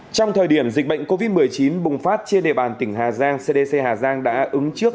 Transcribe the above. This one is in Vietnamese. trong thời điểm dịch bệnh covid một mươi chín bùng phát trên địa bàn tỉnh hà giang cdc hà giang đã ứng trước